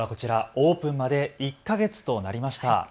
オープンまで１か月となりました。